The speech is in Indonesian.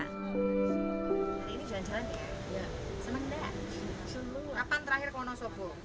kapan terakhir ke wonosobo